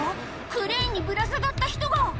クレーンにぶら下がった人が。